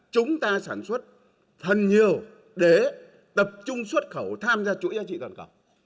chúng ta sản xuất thân nhiều để tập trung xuất khẩu tham gia chuỗi giá trị toàn cầu